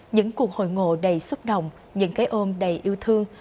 những cuộc hội ngộ đầy xúc động những cái ôm đầy yêu thương